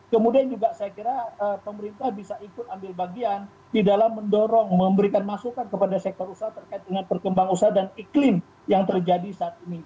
kemudian juga saya kira pemerintah bisa ikut ambil bagian di dalam mendorong memberikan masukan kepada sektor usaha terkait dengan perkembangan usaha dan iklim yang terjadi saat ini